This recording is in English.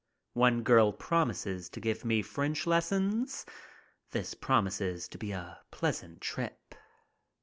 One girl promises to give me a French lesson. This promises to be a pleasant trip.